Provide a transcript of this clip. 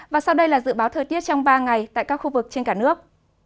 và sau đây là dự báo thời tiết trong ba ngày tại các khu vực trên cả nước